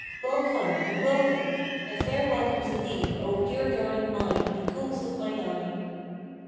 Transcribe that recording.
Well come and welcome and fair welcome to thee, O dearling mine and coolth of mine eyne!'